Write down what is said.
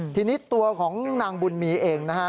ทีนี้ตัวของนางบุญมีเองนะฮะ